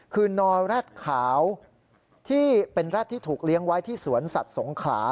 คือนอแร็ดขาวที่เป็นแร็ดที่ถูกเลี้ยงไว้ที่สวนสัตว์สงขลา